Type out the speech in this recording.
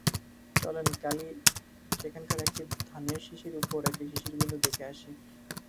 চলেন কালই সেখানকার একটি ধানের শিষের ওপর একটি শিশির বিন্দু দেখে আসি।